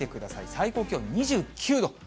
最高気温２９度。